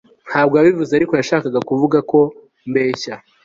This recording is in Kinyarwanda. ntabwo yabivuze, ariko yashakaga kuvuga ko mbeshya